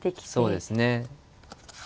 そうですね。